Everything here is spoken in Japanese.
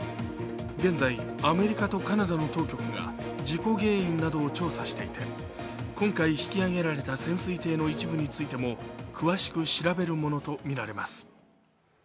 現在、アメリカとカナダの当局が事故原因などを調査していて今回、引き揚げられた潜水艇の一部についても詳しく調べるものとみられます。